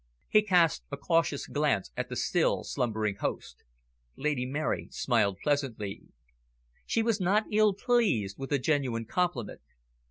He cast a cautious glance at the still slumbering host. Lady Mary smiled pleasantly. She was not ill pleased with the genuine compliment.